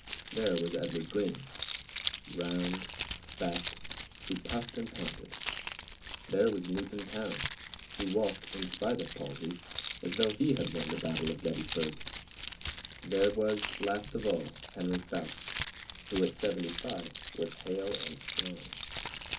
There was Edward Green, round, fat, who puffed and panted; there was Newton Towne, who walked, in spite of palsy, as though he had won the battle of Gettysburg; there was, last of all, Henry Foust, who at seventy five was hale and strong.